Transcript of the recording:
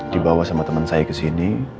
dibawa sama temen saya kesini